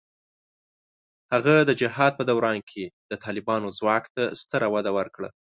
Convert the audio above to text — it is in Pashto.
هغه د جهاد په دوران کې د طالبانو ځواک ته ستره وده ورکړه.